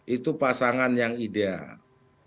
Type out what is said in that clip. itu pasangan yang ideal